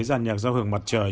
giàn nhạc giao hưởng mặt trời